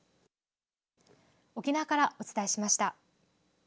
沖縄からお伝えしました。